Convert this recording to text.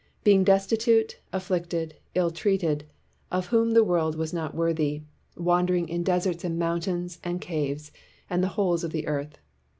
. being desti tute, afflicted, ill treated, (of whom the world was not worthy), wandering in deserts and mountains and caves, and the holes of the earth."